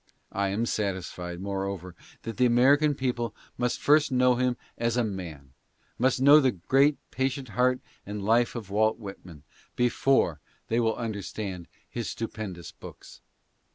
I am satisfied, moreover, that the American people must first know him as a man — must kn : w : le great patient heart and life of Walt Whit man — before they will on ierstand his stupendous books.